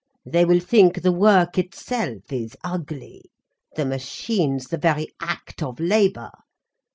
They will think the work itself is ugly: the machines, the very act of labour.